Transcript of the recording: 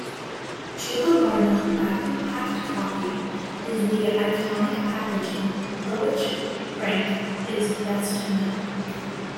Jubilarna vacuum-packed coffee is the iconic packaging for which Franck is best known.